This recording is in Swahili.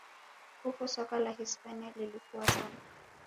Huku soka la Hispania lilikua sana